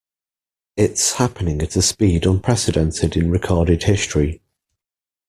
It's happening at a speed unprecedented in recorded history.